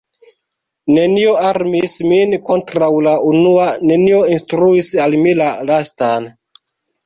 Nenio armis min kontraŭ la unua, nenio instruis al mi la lastan.